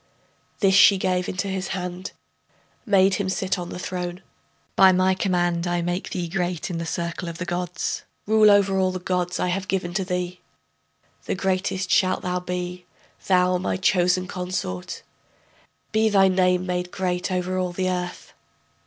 This she gave into his hand, made him sit on the throne: By my command I make thee great in the circle of the gods; Rule over all the gods I have given to thee, The greatest shalt thou be, thou my chosen consort; Be thy name made great over all the earth.